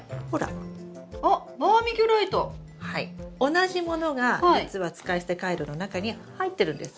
同じものが実は使い捨てカイロの中に入ってるんです。